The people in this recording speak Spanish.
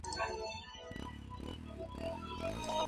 Por ejemplo, el papel está hecho de madera.